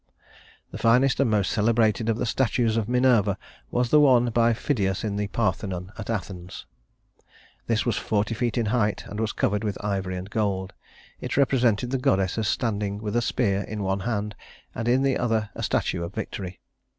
The finest and most celebrated of the statues of Minerva was the one by Phidias in the Parthenon at Athens. This was forty feet in height, and was covered with ivory and gold. It represented the goddess as standing with a spear in one hand, and in the other a statue of victory.